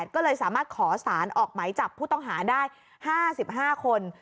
ก็เลยสามารถขอสารออกไหมจับผู้ต้องหาได้๕๕คน